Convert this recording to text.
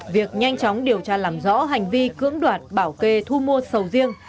việc nhanh chóng điều tra làm rõ hành vi cưỡng đoạt bảo kê thu mua sầu riêng